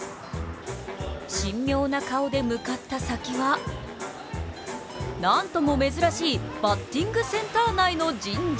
神妙な顔で向かった先はなんとも珍しいバッティングセンター内の神社